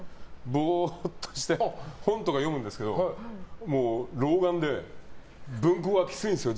ボーっとして本とか読むんですけど老眼で、文庫はきついんですよ。